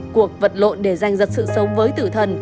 cuộc vật lộn để giành giật sự sống với tử thần